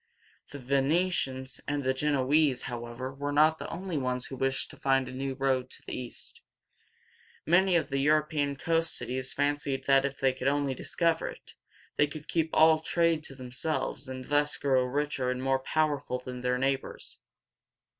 The Ve ne´tians and Gen o ese´, however, were not the only ones who wished to find a new road to the East. Many of the European coast cities fancied that if they could only discover it, they could keep the trade all to themselves, and thus grow richer and more powerful than their neighbors.